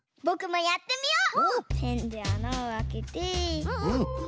ペンであなをあけて。